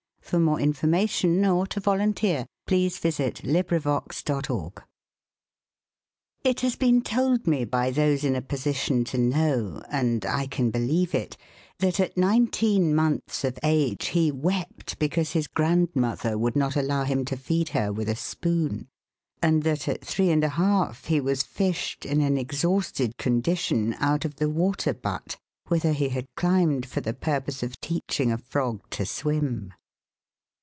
"How stupid of me," I answered. "Yes, I see the likeness now." THE MAN WHO WOULD MANAGE It has been told me by those in a position to know and I can believe it that at nineteen months of age he wept because his grandmother would not allow him to feed her with a spoon, and that at three and a half he was fished, in an exhausted condition, out of the water butt, whither he had climbed for the purpose of teaching a frog to swim.